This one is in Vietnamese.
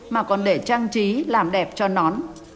mà còn để trang trí làm đẹp cho nón